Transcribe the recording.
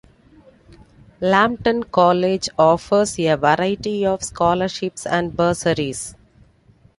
Lambton College offers a variety of scholarships and bursaries.